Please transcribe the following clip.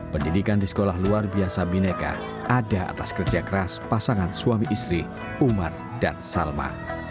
pendidikan di sekolah luar biasa bineka ada atas kerja keras pasangan suami istri umar dan salma